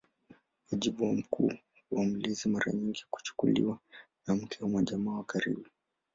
Wajibu mkuu wa mlezi mara nyingi kuchukuliwa na mke au jamaa wa karibu.